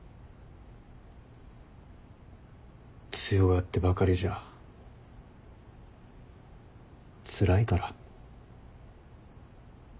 強がってばかりじゃつらいから。